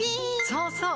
そうそう！